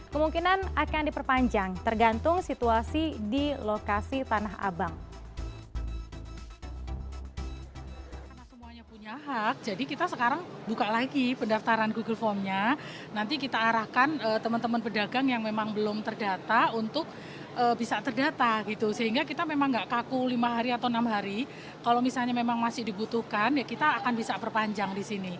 kemungkinan akan diperpanjang tergantung situasi di lokasi tanah abang